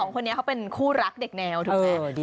คนนี้เขาเป็นคู่รักเด็กแนวถูกไหม